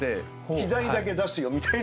「季題だけ出すよ」みたいな。